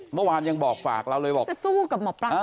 เมื่อวานยังบอกฝากเราเลยบอกจะสู้กับหมอปลา